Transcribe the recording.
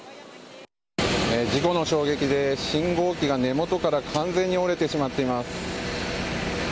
事故の衝撃で信号機が根元から完全に折れてしまっています。